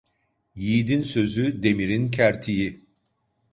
Yiğidin sözü, demirin kertiği.